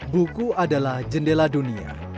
buku adalah jendela dunia